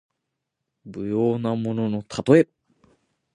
無用なもののたとえ。